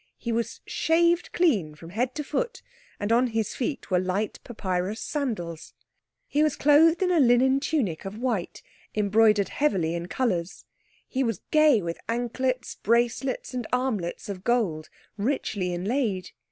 He was shaved clean from head to foot, and on his feet were light papyrus sandals. He was clothed in a linen tunic of white, embroidered heavily in colours. He was gay with anklets, bracelets, and armlets of gold, richly inlaid.